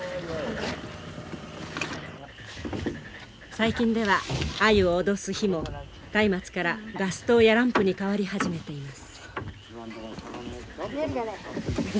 最近ではアユを脅す火もたいまつからガス灯やランプにかわり始めています。